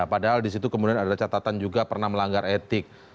padahal di situ kemudian ada catatan juga pernah melanggar etik